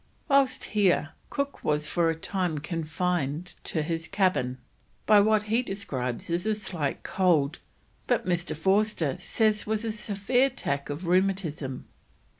Whilst here Cook was for a time confined to his cabin by what he describes as a slight cold, but Mr. Forster says was a severe attack of rheumatism.